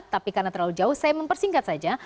tapi karena terlalu jauh saya mempersingkat saja